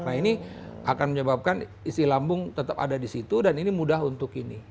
nah ini akan menyebabkan isi lambung tetap ada di situ dan ini mudah untuk ini